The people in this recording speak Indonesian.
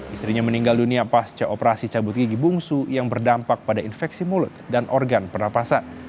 istrinya meninggal dunia pasca operasi cabut gigi bungsu yang berdampak pada infeksi mulut dan organ pernapasan